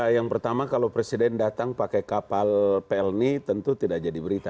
yang pertama kalau presiden datang pakai kapal pelni tentu tidak jadi berita